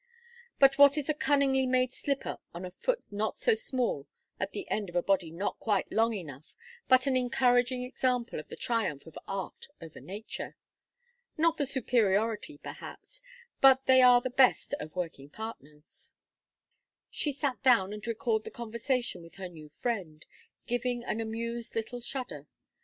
"But what is a cunningly made slipper on a foot not so small, at the end of a body not quite long enough, but an encouraging example of the triumph of art over nature? Not the superiority, perhaps, but they are the best of working partners." She sat down and recalled the conversation with her new friend, giving an amused little shudder.